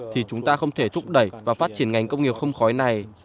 thì chúng ta không thể thúc đẩy và phát triển ngành công nghiệp không khói này